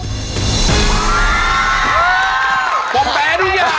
มันไม่ใช่มันเป็นทุกเรื่องในชีวิตตัวตัว